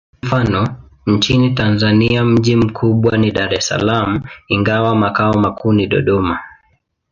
Mfano: nchini Tanzania mji mkubwa ni Dar es Salaam, ingawa makao makuu ni Dodoma.